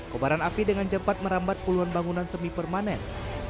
kobaran api dengan cepat merambat puluhan bangunan semi permanen